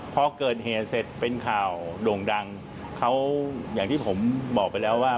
พอเกิดเหตุเสร็จเป็นข่าวโด่งดังเขาอย่างที่ผมบอกไปแล้วว่า